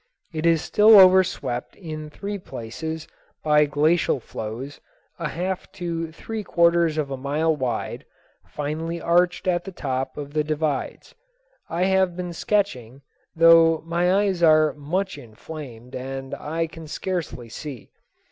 It is still overswept in three places by glacial flows a half to three quarters of a mile wide, finely arched at the top of the divides. I have been sketching, though my eyes are much inflamed and I can scarce see.